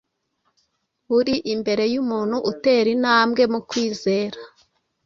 buri imbere y’umuntu utera intambwe mu kwizera,